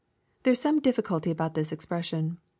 '] There is some difficulty about this expression.